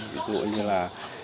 ví dụ như là